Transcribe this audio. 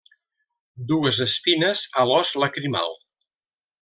Dues espines a l'os lacrimal.